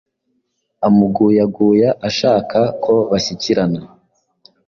amuguyaguya ashaka ko bashyikirana.